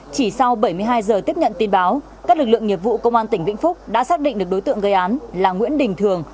chỉ sau bảy mươi hai giờ tiếp nhận tin báo các lực lượng nghiệp vụ công an tỉnh vĩnh phúc đã xác định được đối tượng gây án là nguyễn đình thường